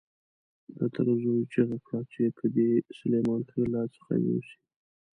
د تره زوی چیغه کړه چې که دې سلیمان خېل را څخه يوسي.